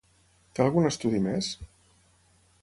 Té algun estudi més?